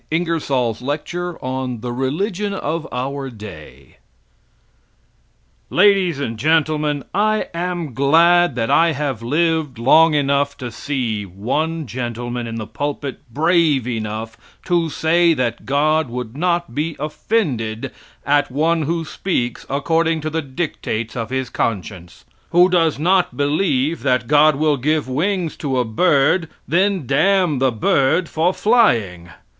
Ingersoll's lecture on The Religion of Our Day Ladies and Gentlemen: I am glad that I have lived long enough to see one gentleman in the pulpit brave enough to say that God would not be offended at one who speaks according to the dictates of his conscience; who does not believe that God will give wings to a bird, and then damn the bird for flying.